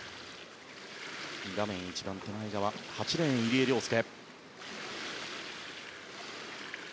画面一番手前側８レーン、入江陵介。